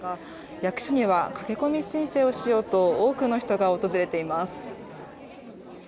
役所には駆け込み申請をしようと多くの人が訪れています。